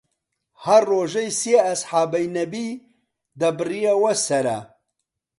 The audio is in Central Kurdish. هەر ڕوژەی سێ ئەسحابەی نەبی دەبڕیەوە سەرە